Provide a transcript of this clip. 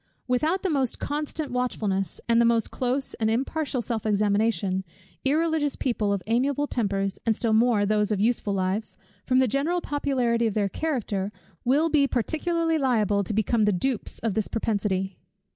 Without the most constant watchfulness, and the most close and impartial self examination, irreligious people of amiable tempers, and still more those of useful lives, from the general popularity of their character, will be particularly liable to become the dupes of this propensity.